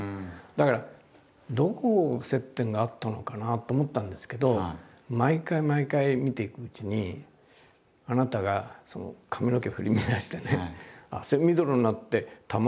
だからどこを接点があったのかなと思ったんですけど毎回毎回見ていくうちにあなたが髪の毛振り乱してね